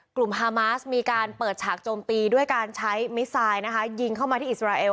ฮามาสมีการเปิดฉากโจมตีด้วยการใช้มิสไซด์นะคะยิงเข้ามาที่อิสราเอล